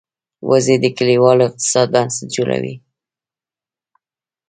وزې د کلیوالو اقتصاد بنسټ جوړوي